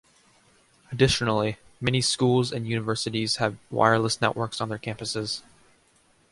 Additionally, many schools and universities have wireless networks on their campuses.